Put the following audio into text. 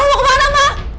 mak mau ke mana mak